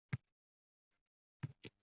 Harbiylar xavfli olovli to‘siqlardan o‘tishdi